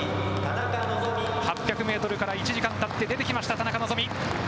８００メートルから１時間たって出てきました田中希実。